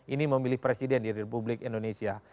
ini memilih presiden di republik indonesia